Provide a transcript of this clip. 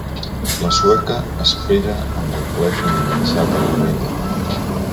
La sueca espera amb el telèfon enganxat a l'orella.